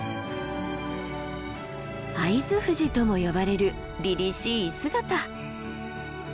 会津富士とも呼ばれるりりしい姿。